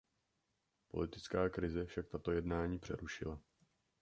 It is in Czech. Politická krize však tato jednání přerušila.